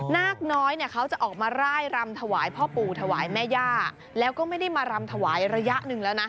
นาคน้อยเนี่ยเขาจะออกมาร่ายรำถวายพ่อปู่ถวายแม่ย่าแล้วก็ไม่ได้มารำถวายระยะหนึ่งแล้วนะ